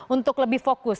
untuk lebih fokus